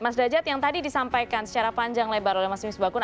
mas dajat yang tadi disampaikan secara panjang lebar oleh mas mis bakun